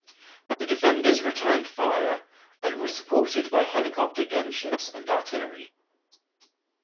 The defenders returned fire and were supported by helicopter gunships and artillery.